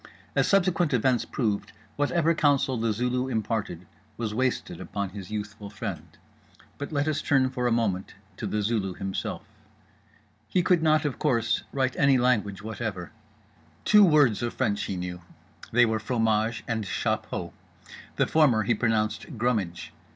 As subsequent events proved, whatever counsel The Zulu imparted was wasted upon his youthful friend. But let us turn for a moment to The Zulu himself. He could not, of course, write any language whatever. Two words of French he knew: they were fromage and chapeau. The former he pronounced "grumidge."